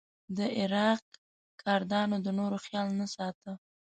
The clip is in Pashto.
د عراق کردانو د نورو خیال نه ساته.